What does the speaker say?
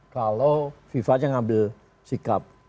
kalau viva aja ngambil sikap